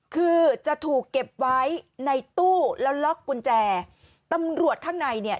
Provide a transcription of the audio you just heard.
คือจะถูกเก็บไว้ในตู้แล้วล็อกกุญแจตำรวจข้างในเนี่ย